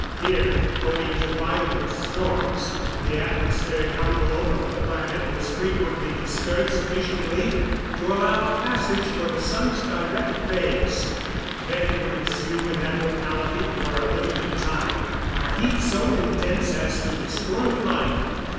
Here, owing to violent storms, the atmospheric envelope of the planet was frequently disturbed sufficiently to allow passage for the sun's direct rays. Then would ensue in that locality, for a limited time, a heat so intense as to destroy life.